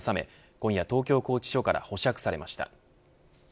今夜、東京拘置所から保釈されました。